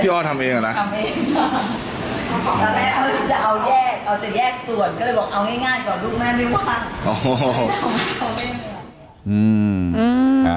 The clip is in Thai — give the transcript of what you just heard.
ทีบ้านของเอาใหญ่ง่ายของลูกไหมมีพัง